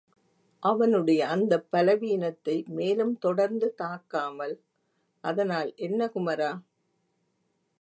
அவனுடைய அந்தப் பலவீனத்தை மேலும் தொடர்ந்து தாக்காமல், அதனால் என்ன குமரா?